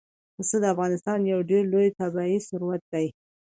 پسه د افغانستان یو ډېر لوی طبعي ثروت دی.